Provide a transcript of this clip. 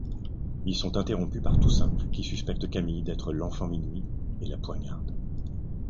Ils sont interrompus par Toussaint qui suspecte Camille d'être l'Enfant-Minuit et la poignarde.